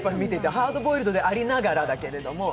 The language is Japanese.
ハードボイルドでありながらなんだけど。